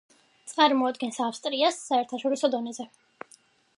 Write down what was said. წარმოადგენს ავსტრიას საერთაშორისო დონეზე.